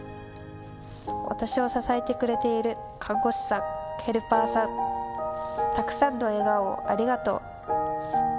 私を支えてくれている看護師さん、ヘルパーさん、たくさんの笑顔をありがとう。